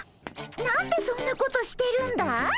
何でそんなことしてるんだい？